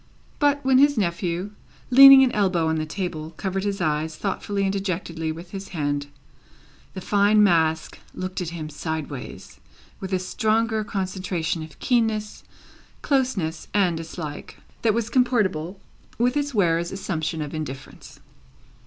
But, when his nephew, leaning an elbow on the table, covered his eyes thoughtfully and dejectedly with his hand, the fine mask looked at him sideways with a stronger concentration of keenness, closeness, and dislike, than was comportable with its wearer's assumption of indifference.